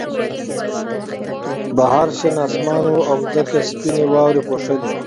بهر شین آسمان و او ځمکه سپینې واورې پوښلې وه